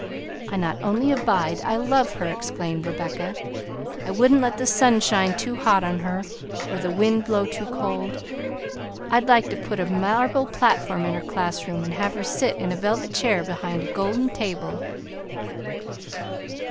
"I not only abide, I love her!" exclaimed Rebecca. "I wouldn't let the sun shine too hot on her, or the wind blow too cold. I'd like to put a marble platform in her class room and have her sit in a velvet chair behind a golden table!"